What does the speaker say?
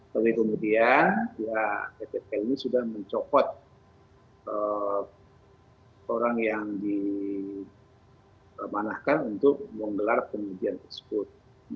tapi kemudian ppt ini sudah mencokot orang yang dimanahkan untuk menggelar penelitian tersebut